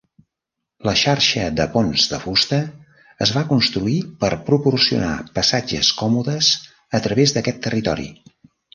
La xarxa de ponts de fusta es va construir per proporcionar passatges còmodes a través d'aquest territori.